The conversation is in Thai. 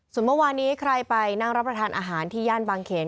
ส่วนเมื่อวานี้ใครไปนั่งรับประทานอาหารที่ย่านบางเขน